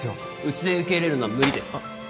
うちで受け入れるのは無理ですあっ